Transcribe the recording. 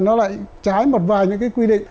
nó lại trái một vài những cái quy định